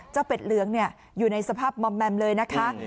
เจ้าเป็ดเหลืองเนี่ยอยู่ในสภาพมอมแมมเลยนะคะ